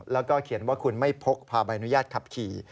แล้วก็เขียนว่าคุณไม่พกพาใบอนุญาตขับขี่